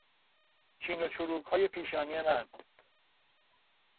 چین و چروکهای پیشانی من